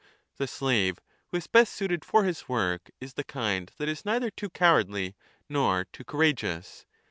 The slave who is best suited for his work is the kind that is neither too cowardly nor too courageous.